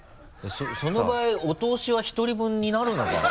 その場合お通しは１人分になるのかな？